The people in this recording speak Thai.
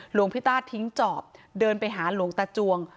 หลวงพี่ต้าทิ้งจอบเดินไปหาหลวงตาจวง